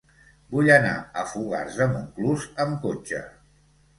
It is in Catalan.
Vull anar a Fogars de Montclús amb cotxe.